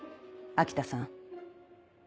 秋田さん。